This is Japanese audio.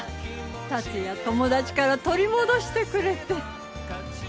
達也友達から取り戻してくれて。